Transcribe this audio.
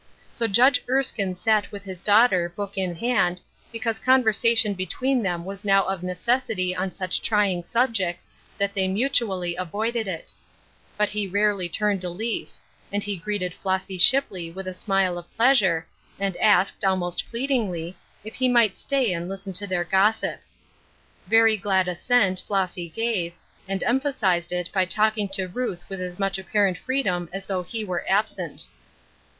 So Judge Erskine sat with hia daughter, book in hand, because conversation be tween them was now of necessity on such trying subjects that they mutually avoided it ; but he rarely turned a leaf; and lie f;reeted Flossy Shipley with a smile of pleasure, and asked, al most pleadingly, if he might stay and listen to their gossip. Very glad assent. Flossy gave, and emphasized it by talking to Ruth with as much apparent freedom as though he were absent.